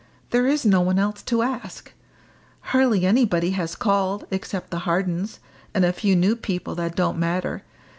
There is no one else to ask. Hardly anybody has called, except the Hardens, and a few new people that don't matter.